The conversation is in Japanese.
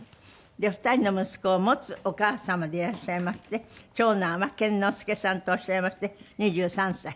２人の息子を持つお母様でいらっしゃいまして長男は健之介さんとおっしゃいまして２３歳。